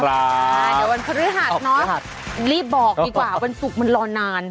เดี๋ยววันพฤหัสเนาะรีบบอกดีกว่าวันศุกร์มันรอนาน